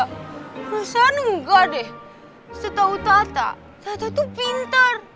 nggak usah nunggu deh setau tata tata tuh pintar